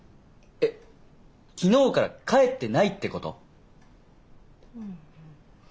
えっ昨日から帰ってないってこと？